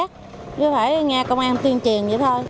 chứ phải nghe công an tuyên truyền vậy thôi